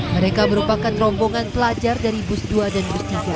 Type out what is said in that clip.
mereka merupakan rombongan pelajar dari bus dua dan bus tiga